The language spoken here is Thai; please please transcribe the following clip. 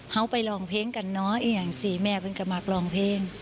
เฮ้าไปลองเพลงกันเนาะอีกอย่างสิแม่เป็นกระมากลองเพลง